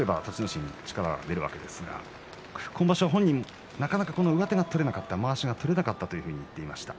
心力が出るわけですが今場所は本人、なかなか上手が取れなかったまわしが取れなかったと言っていました。